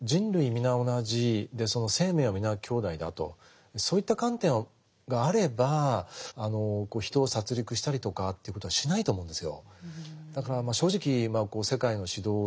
皆同じで生命は皆兄弟だとそういった観点があれば人を殺戮したりとかということはしないと思うんですよ。